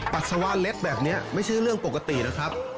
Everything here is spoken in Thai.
ปัสสาวะเล็กแบบนี้ไม่ใช่เรื่องปกติแล้วครับ